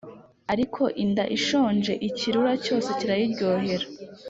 ariko inda ishonje ikirura cyose kirayiryohera